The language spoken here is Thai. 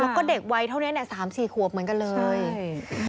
แล้วก็เด็กวัยเท่านี้เนี่ยสามสี่ขวบเหมือนกันเลยใช่